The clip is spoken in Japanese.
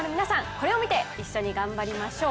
これを見て一緒に頑張りましょう！